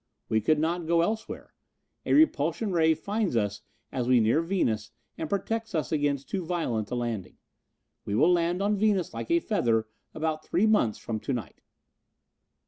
We could not go elsewhere. A repulsion ray finds us as we near Venus and protects us against too violent a landing. We will land on Venus like a feather about three months from to night."